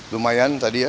lumayan tadi ya